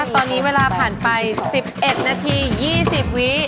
ตอนนี้เวลาผ่านไป๑๑นาที๒๐วิ